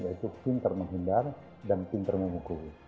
yaitu pintar menghindar dan pintar memukul